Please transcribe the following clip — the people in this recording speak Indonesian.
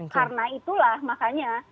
karena itulah makanya